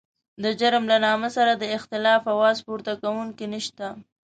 د جرم له نامه سره د اختلاف اواز پورته کوونکی نشته.